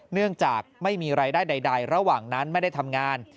เนื่องจากไม่มีรายได้ใดระหว่างนั้นไม่ได้ทำงาน